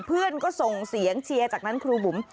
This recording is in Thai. เพื่อนก็ส่งเสียงเชียร์จากนั้นครูบุ๋ม